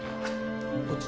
こっち？